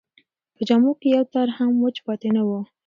په جامو کې یې یو تار هم وچ پاتې نه و.